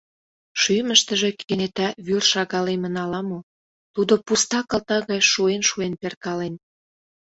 Шӱмыштыжӧ кенета вӱр шагалемын ала-мо — тудо пуста калта гай шуэн-шуэн перкален.